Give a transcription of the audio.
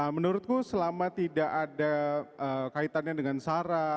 menurutku selama tidak ada kaitannya dengan sara